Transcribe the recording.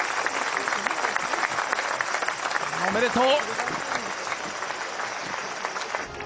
おめでとう！